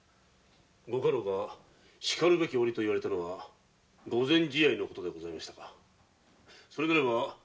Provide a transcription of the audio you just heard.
ご家老がしかるべき折と言われたのは御前試合のことでございましたかそれならば一つ願いが。